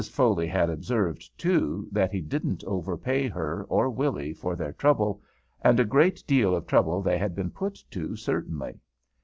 Foley had observed, too, that he didn't overpay her or Willy for their trouble, and a great deal of trouble they had been put to, certainly.